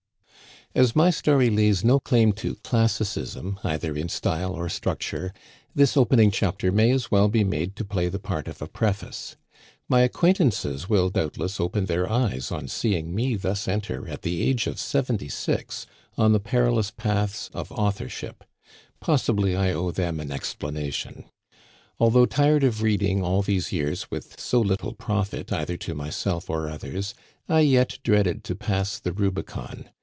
As my story lays no claim to classicism, either in Style or structure, this opening chapter may as well be made to play the part of a preface. My acquaintances wili, doubtless, open their eyes on seeing me thus enter, at the age of seventy six, on the perilous paths of au thorship. Possibly I owe them an explanation. Although tired of reading all these years with so little profit either to myself or others, I yet dreaded to pass the Rubicon.